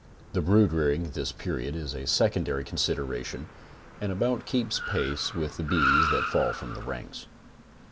The brood rearing at this period is a secondary consideration, and about keeps pace with the bees that fall from the ranks.